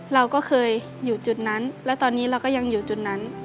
เราก็เคยอยู่จุดนั้นและตอนนี้เราก็ยังอยู่จุดนั้น